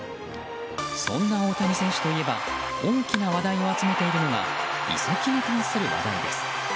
そんな大谷選手といえば大きな話題を集めているのが移籍に関する話題です。